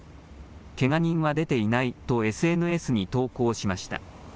けが人は出ていないとＳＮＳに投稿しました。